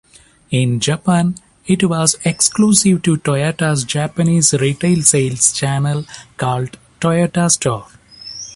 In Japan, it was exclusive to Toyota's Japanese retail sales channel called Toyota Store.